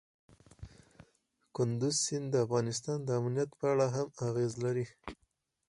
کندز سیند د افغانستان د امنیت په اړه هم اغېز لري.